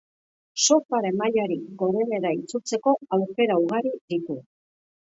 Surfaren mailarik gorenera itzultzeko aukera ugari ditu.